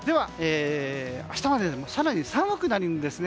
明日は更に寒くなるんですね。